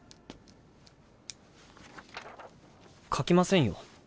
描きませんよ。